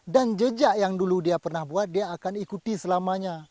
dan jejak yang dulu dia pernah buat dia akan ikuti selamanya